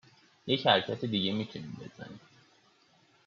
یک حرکت دیگه میتونیم بزنیم